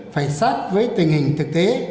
phải sát với tình hình thực tế